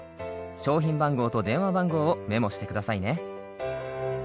商品番号と電話番号をメモしてくださいね。